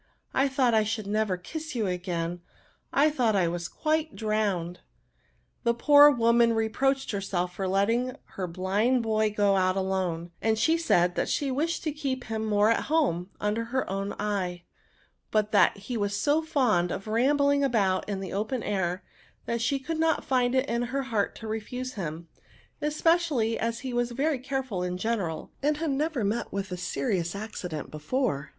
I thought I should never kiss you again ; I thought I was quite drowned." The poor woman re proached herself for letting her blind boj go out alone ; she said that she wished to keep him more at home, under her own eye : but that he was so fond of rambling about in the open air, that she could not find in her heart to refuse him ; especiftUy as he waB very carefiil in general, and had never met with a serious accident before.